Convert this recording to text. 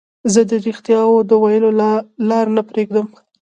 زه د رښتیاوو د ویلو لار نه پريږدم.